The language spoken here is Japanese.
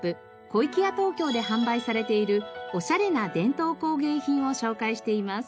小粋屋東京で販売されているおしゃれな伝統工芸品を紹介しています。